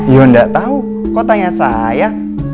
yuh ndak tahu kok tanya saya